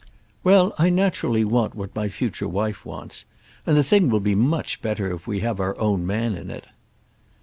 "Well, I naturally want what my future wife wants. And the thing will be much better if we have our own man in it."